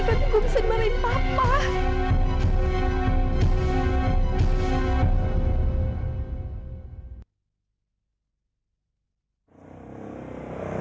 kami bunuh keke pareil fue pandu